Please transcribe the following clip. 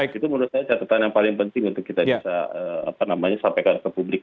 itu menurut saya catatan yang paling penting untuk kita bisa sampaikan ke publik